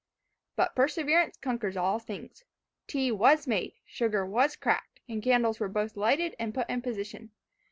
But perseverance conquers all things. Tea was made, sugar was cracked, and candles were both lighted and put in position.